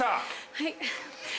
はい。